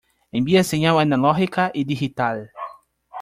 Envía señal analógica y digital.